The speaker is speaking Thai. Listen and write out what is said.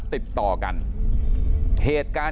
ตอนนี้ก็เปลี่ยนแหละ